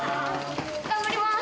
頑張ります。